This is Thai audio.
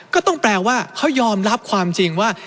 ก็ต้องแปลว่าเขายอมรับความจริงว่า